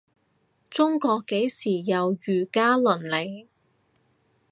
中國幾時有儒家倫理